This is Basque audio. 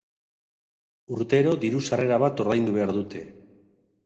Urtero diru-sarrera bat ordaindu behar dute.